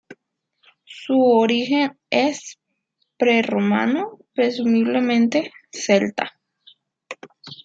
Su origen es prerromano, presumiblemente celta.